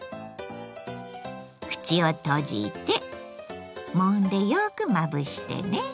口を閉じてもんでよくまぶしてね。